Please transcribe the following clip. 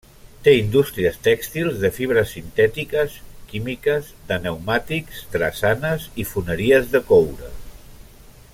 Té indústries tèxtils, de fibres sintètiques, químiques, de pneumàtics, drassanes i foneries de coure.